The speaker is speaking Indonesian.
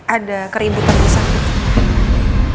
ada keributan di sakit